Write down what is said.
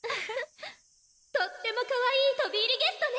とってもかわいいとび入りゲストね！